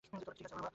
ঠিক আছে বাবা!